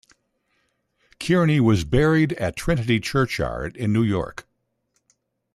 Kearny was buried at Trinity Churchyard in New York.